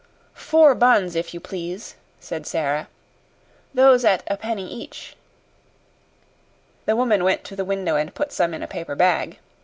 "Four buns, if you please," said Sara. "Those at a penny each." The woman went to the window and put some in a paper bag.